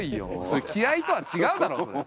それ気合いとは違うだろそれ。